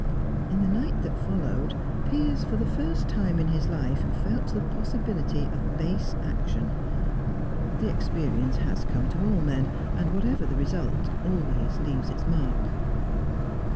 In the night that followed, Piers for the first time in his life felt the possibility of base action. The experience has come to all men, and, whatever the result, always leaves its mark.